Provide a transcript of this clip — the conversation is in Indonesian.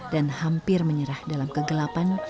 dan hampir menyerah dalam kegelapan